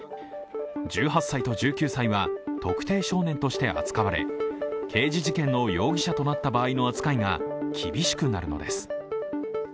１８歳と１９歳は特定少年として扱われ刑事事件の容疑者となった場合の扱いが厳しくなるのです。